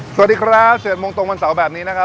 สวัสดีครับ๗โมงตรงวันเสาร์แบบนี้นะครับ